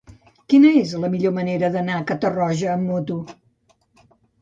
Quina és la millor manera d'anar a Catarroja amb moto?